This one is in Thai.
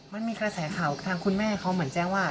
มันมีกระแสข่าวทางคุณแม่เขาเหมือนแจ้งว่า